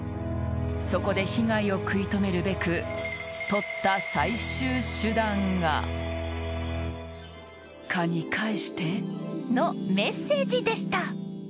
そこで被害を食い止めるべく取った最終手段が「カニ返して」のメッセージでした。